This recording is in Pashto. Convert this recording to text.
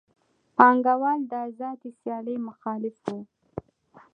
پانګوال د آزادې سیالۍ مخالف وو